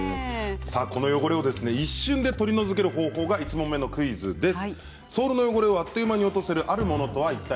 この汚れを一瞬で取り除ける方法が１問目のクイズです。